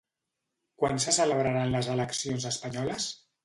Quan se celebraran les eleccions espanyoles?